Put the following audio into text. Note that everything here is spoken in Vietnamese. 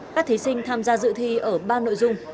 các thí sinh tham gia dự thi ở ba nội dung